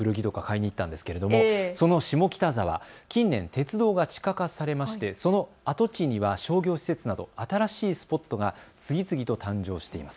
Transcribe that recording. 下によくその下北沢、近年鉄道が地下化されましてその跡地には商業施設など新しいスポットが次々と誕生しています。